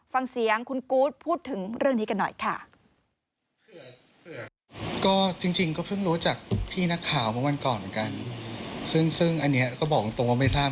ฟังเสียงคุณกู๊ดพูดถึงเรื่องนี้กันหน่อยค่ะ